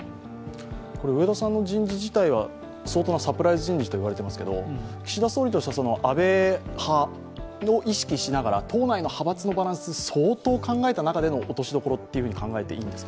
植田さんの人事自体は相当なサプライズ人事といわれていますが岸田総理としては安倍派の意識をしながら、党内の派閥のバランス相当考えた中での落としどころと考えていいんですか？